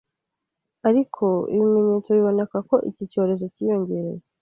ariko ibimenyetso biboneka ko iki cyorezo cyiyongereye